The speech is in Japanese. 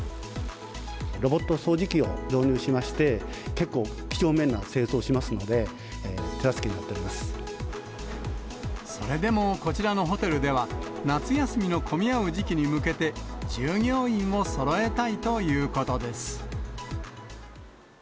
ロボット掃除機を導入しまして、結構、きちょうめんな清掃をしますので、手助けになっておりそれでもこちらのホテルでは、夏休みの混み合う時期に向けて、従業員をそろえたいということです。